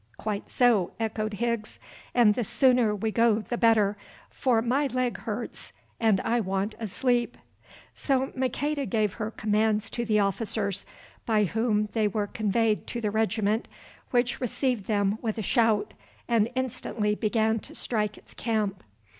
"Quite so," echoed Higgs; "and the sooner we go the better, for my leg hurts, and I want a sleep." So Maqueda gave her commands to the officers, by whom they were conveyed to the regiment, which received them with a shout, and instantly began to strike its camp.